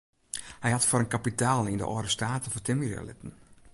Hy hat foar in kapitaal yn de âlde state fertimmerje litten.